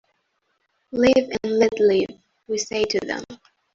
Live and let live, we say to them.